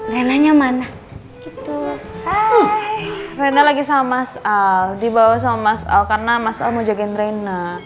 renanya mana itu hai renda lagi sama asal dibawa sama soal karena masalah mojokin reina